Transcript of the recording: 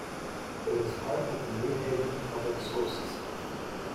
It is part of the New Haven public school system.